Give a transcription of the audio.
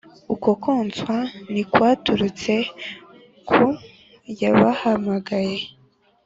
Uko koshywa ntikwaturutse ku yabahamagaye